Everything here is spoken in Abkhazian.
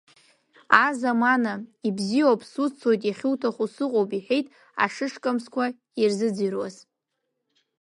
Азамана, ибзиоуп суццоит, иахьуҭаху сыҟоуп, — иҳәеит ашышкамсқәа ирзыӡырҩуаз.